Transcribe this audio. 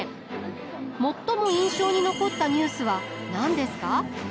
最も印象に残ったニュースは何ですか？